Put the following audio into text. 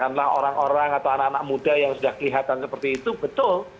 dan juga ketika di staffing atau anak anak muda yang sudah kelihatan seperti itu betul